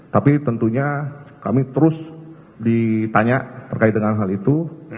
tapi tentunya kami terus ditanya terkait dengan hal itu